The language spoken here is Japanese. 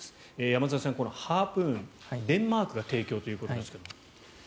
山添さん、このハープーンデンマークが提供ということですが。